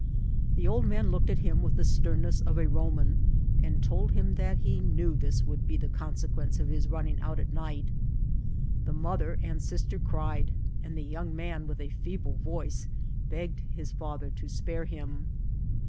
The old man looked at him with the stenmess of a Ro* man, and told him that he knew this would be the con sequence of his running out at night ; the mother and sist«r cried', and the young man, with a feeble voice, begged his father to spare him.